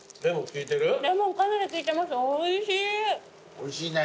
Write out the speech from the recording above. おいしいね。